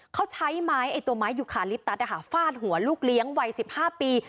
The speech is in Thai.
เขาใช้ไม้ตัวไม้ยูคาลิปตัสฟาดหัวลูกเลี้ยงวัย๑๕ปี